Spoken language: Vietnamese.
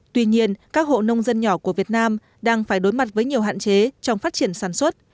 tuy nhiên các hộ nông dân nhỏ của việt nam đang phải đối mặt với nhiều hạn chế trong phát triển sản xuất